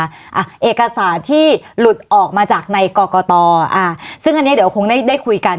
อ่ะเอกสารที่หลุดออกมาจากในกรกตอ่าซึ่งอันนี้เดี๋ยวคงได้ได้คุยกัน